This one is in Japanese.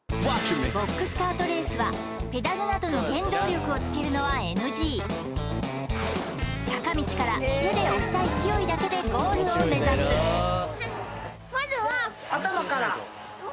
ボックスカートレースはペダルなどの原動力をつけるのはＮＧ坂道から手で押した勢いだけでゴールを目指す頭蓋骨？